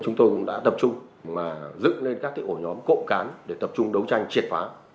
chúng tôi đã tập trung mà dựng lên các cái ổ nhóm cộng cán để tập trung đấu tranh triệt phá